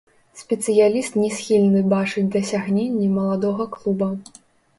Спецыяліст не схільны бачыць дасягненні маладога клуба.